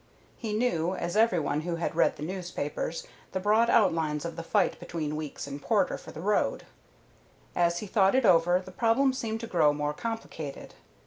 He knew, as did every one who had read the newspapers, the broad outlines of the fight between Weeks and Porter for the road. As he thought it over, the problem seemed to grow more complicated.